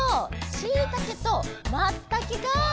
しいたけとまつたけか！